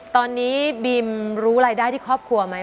ตอนนี้บิมรู้รายได้ที่ครอบครัวไหม